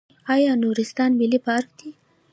آیا نورستان ملي پارک دی؟